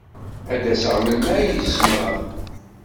Ad d-aseɣ melmi ay zemreɣ.